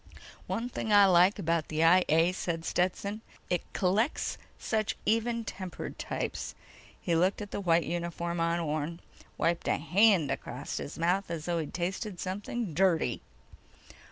"One thing I like about the I A," said Stetson. "It collects such even tempered types." He looked at the white uniform on Orne, wiped a hand across his mouth as though he'd tasted something dirty.